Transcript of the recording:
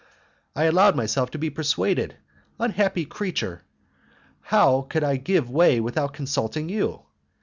I allowed myself to be persuaded. Unhappy creature! How could I give way without consulting you?